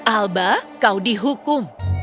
alba kau dihukum